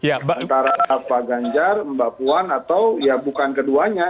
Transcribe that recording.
antara pak ganjar mbak puan atau ya bukan keduanya